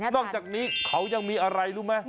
อกจากนี้เขายังมีอะไรรู้ไหม